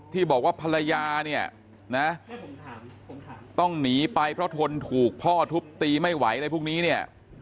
ที่บอกว่าภรรยาเนี่ยนะต้องหนีไปเพราะทนถูกพ่อทุบตีไม่ไหวอะไรพวกนี้เนี่ย